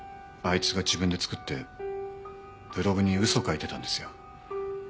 あいつが自分で作ってブログに嘘を書いてたんですよ。